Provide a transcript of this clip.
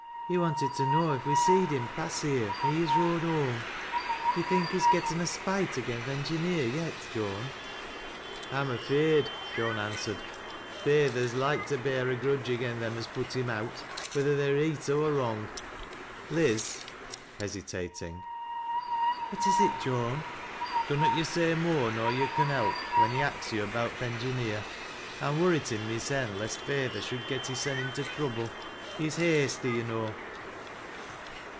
" He wanted to know if we seed him pass heer i' his road hoam. D'yo' think he'i getten a spite agen th' engineer yet, Joan? " "I'm afeard," Joan answered. "Feyther's loike to bear a grudge agen them as put him out, whether they're reet or wrong. Liz " hesitating. " What is it, Joan ?"" Dunnot yo' say no more nor yo' con help when he axes yo' about th' engineer. I'm worritin' mysen lest feyther should get hissen into trouble. He's hasty, yo' know."